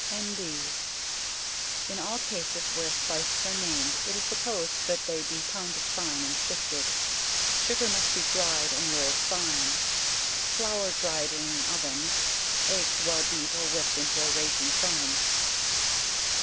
N.B. In all cases where spices are named, it is supposed that they be pounded fine and sifted; sugar must be dryed and rolled fine; flour, dryed in an oven; eggs well beat or whipped into a raging foam.